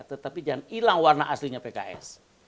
tetapi jangan hilang warna aslinya pks